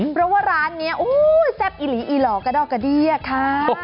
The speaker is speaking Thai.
เพราะว่าร้านนี้แซ่บอีหลีอีหล่อกระดอกกระเดี้ยค่ะ